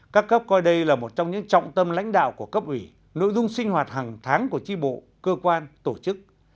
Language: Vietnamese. các cấp coi đây là một trong những trọng tâm lãnh đạo của cấp ủy nội dung sinh hoạt hàng tháng của tri bộ cơ quan tổ chức